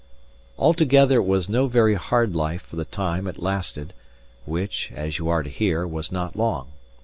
Altogether it was no very hard life for the time it lasted, which (as you are to hear) was not long.